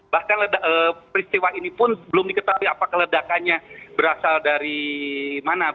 bahkan peristiwa ini pun belum diketahui apakah ledakannya berasal dari mana